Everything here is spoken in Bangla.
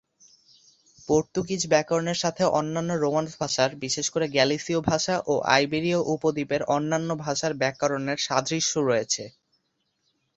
পর্তুগিজ ব্যাকরণের সাথে অন্যান্য রোমান্স ভাষার, বিশেষ করে গালিসীয় ভাষা ও আইবেরীয় উপদ্বীপের অন্যান্য ভাষার ব্যাকরণের সাদৃশ্য আছে।